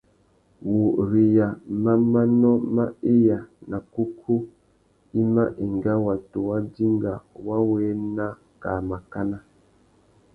Wuriya má manô mà iya nà kúkú i mà enga watu wa dinga wa wu ena kā màkánà.